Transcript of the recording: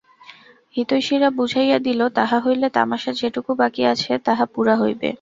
হিতৈষীরা বুঝাইয়া দিল, তাহা হইলে তামাশার যেটুকু বাকি আছে তাহা পুরা হইবে।